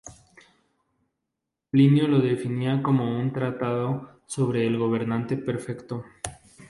Plinio lo definía como un tratado sobre el gobernante perfecto.